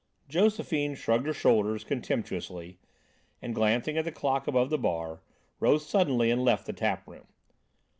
Josephine shrugged her shoulders contemptuously, and, glancing at the clock above the bar, rose suddenly and left the tap room.